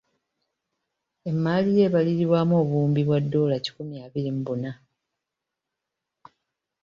Emmaali ye ebalirirwamu obuwumbi bwa ddoola kikumi abiri mu buna.